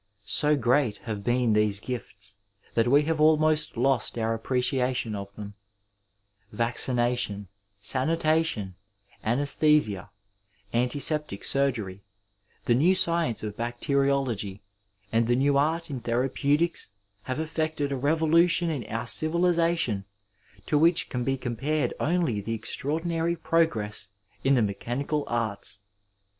So great have been these gifts that we have almost lost our appreciation of theuL Vaccination, sanitation, anaesthesia, antiaeptio surgery, the new science of bacteriology, and the new art in therapeutics have effected a revolution in our civilization 450 Digitized by VjOOQIC UNITY, PEACE, AND CONCORD to wbioh can be compared only the extraordinary progreas in the mechanical arts.